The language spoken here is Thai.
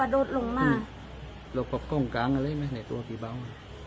โดดลงมาเราก็ค้องกร้างอะไรไหนตัวพี่เบามไหม